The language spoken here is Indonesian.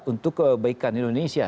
untuk kebaikan indonesia